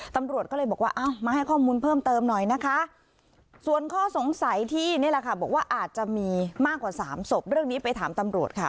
ตำรวจก็เลยบอกว่าอ้าวมาให้ข้อมูลเพิ่มเติมหน่อยนะคะส่วนข้อสงสัยที่นี่แหละค่ะบอกว่าอาจจะมีมากกว่าสามศพเรื่องนี้ไปถามตำรวจค่ะ